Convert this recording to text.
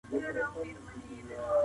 په دې غار کي چي پراته کم موږکان دي